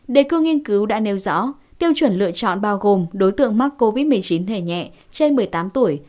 đề cương nghiên cứu đã nêu rõ tiêu chuẩn lựa chọn bao gồm đối tượng mắc covid một mươi chín thể nhẹ trên một mươi tám tuổi